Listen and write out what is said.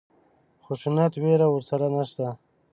خشونت وېره ورسره نشته.